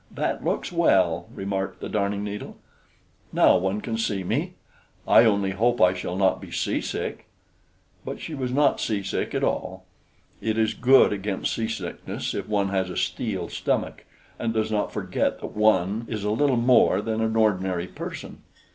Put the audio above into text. that looks well," remarked the Darning needle. "Now one can see me. I only hope I shall not be seasick!" But she was not seasick at all. "It is good against seasickness, if one has a steel stomach, and does not forget that one is a little more than an ordinary person!